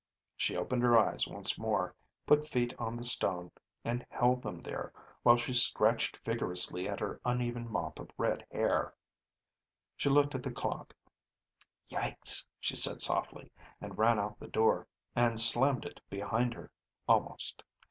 She opened her eyes once more, put feet on the stone, and held them there while she scratched vigorously at her uneven mop of red hair. She looked at the clock. "Yikes!" she said softly, and ran out the door, and slammed it behind her almost.